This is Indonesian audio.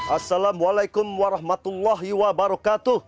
assalamualaikum warahmatullahi wabarakatuh